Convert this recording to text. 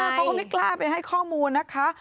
เขาก็ไม่กล้าไปให้ข้อมูลนะคะ